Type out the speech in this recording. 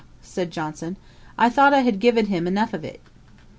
(said Johnson) I thought I had given him enough of it.'